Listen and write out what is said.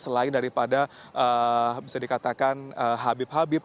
selain daripada bisa dikatakan habib habib